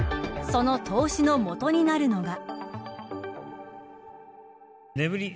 その投資の元になるのが。